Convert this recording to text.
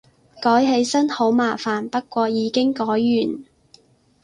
改起身好麻煩，不過已經改完